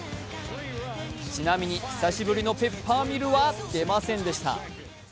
ちなみに久しぶりのペッパーミルは出ませんでした。